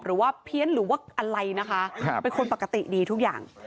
เพี้ยนหรือว่าอะไรนะคะเป็นคนปกติดีทุกอย่าง